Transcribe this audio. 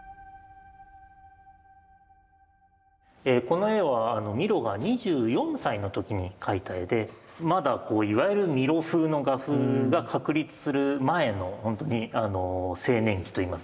この絵はミロが２４歳の時に描いた絵でまだいわゆるミロ風の画風が確立する前のほんとに青年期といいますか。